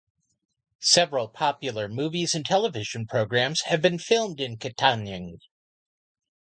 Several popular movies and televisions programs have been filmed in Kittanning.